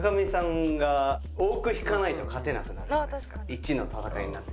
１の戦いになって。